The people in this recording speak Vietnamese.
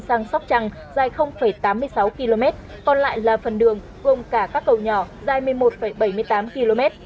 sang sóc trăng dài tám mươi sáu km còn lại là phần đường gồm cả các cầu nhỏ dài một mươi một bảy mươi tám km